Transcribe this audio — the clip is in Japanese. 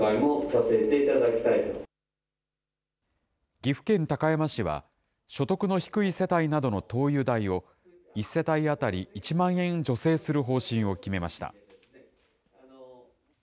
岐阜県高山市は、所得の低い世帯などの灯油代を、１世帯当たり１万円助成する方針を決めました。